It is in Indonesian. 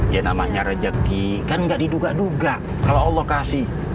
ya namanya rezeki kan nggak diduga duga kalau allah kasih